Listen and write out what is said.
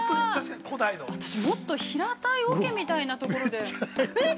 私、もっと平たい桶みたいなところでえっ！